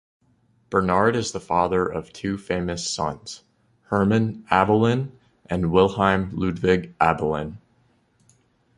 Bernhard is the father of two famous sons, Hermann Abelen and Wilhelm Ludwig Abelen.